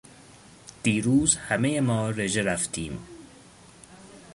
دیروز همهٔ ما رژه رفتیم.